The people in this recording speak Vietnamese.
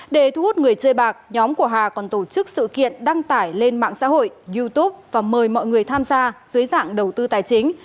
để thu hút người chơi bạc nhóm của hà còn tổ chức sự kiện đăng tải lên mạng xã hội youtube và mời mọi người tham gia dưới dạng đầu tư tài chính